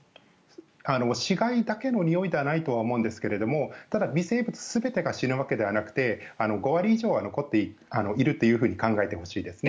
死骸だけのにおいではないと思うんですがただ微生物全てが死ぬわけではなくて、５割以上は残っていると考えてほしいです。